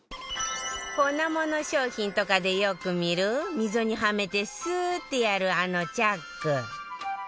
粉物商品とかでよく見る溝にはめてスーッてやるあのチャック